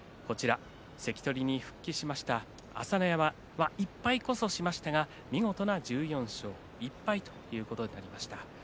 関取に復帰しました朝乃山１敗こそしましたが見事な１４勝１敗ということになりました。